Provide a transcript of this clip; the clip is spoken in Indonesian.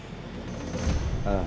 dan gak mau balik lagi